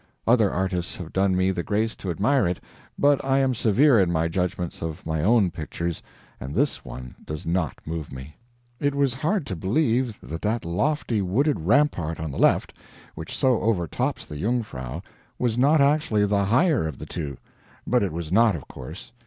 Other artists have done me the grace to admire it; but I am severe in my judgments of my own pictures, and this one does not move me. It was hard to believe that that lofty wooded rampart on the left which so overtops the Jungfrau was not actually the higher of the two, but it was not, of course.